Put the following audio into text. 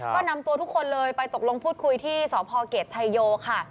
ก็นำตัวทุกคนเลยไปตกลงพูดคุยที่สพเกตชัยโยค่ะ